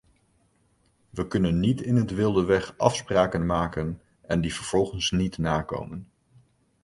We kunnen niet in het wilde weg afspraken maken en die vervolgens niet nakomen.